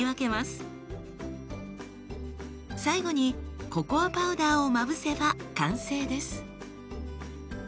最後にココアパウダーをまぶせば完成です。